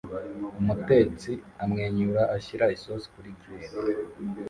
Umutetsi amwenyura ashyira isosi kuri grill